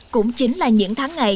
cũng chính là những tháng ngày